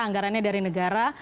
anggarannya dari negara